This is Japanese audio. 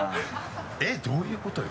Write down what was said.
えっどういうことよ？